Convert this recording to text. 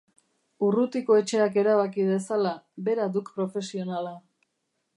Urrutikoetxeak erabaki dezala, bera duk profesionala.